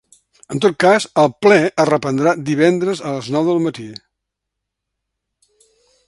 En tot cas, el ple es reprendrà divendres a les nou del matí.